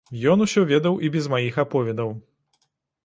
Ён усё ведаў і без маіх аповедаў.